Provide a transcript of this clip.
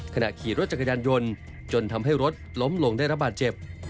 ขณะขี่รถจักรยานยนต์จนทำให้รถล้มลงได้รับบาดเจ็บ